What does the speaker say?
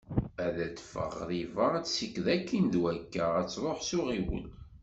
Ad d-teffeɣ ɣriba, ad tessiked akin d wakka, ad truḥ s uɣiwel.